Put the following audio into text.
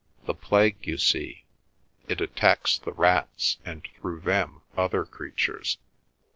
The plague—you see. It attacks the rats, and through them other creatures."